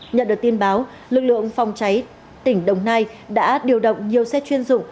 nhận được tin báo lực lượng phòng cháy tỉnh đồng nai đã điều động nhiều xe chuyên dụng